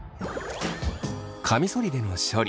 カミソリでの処理。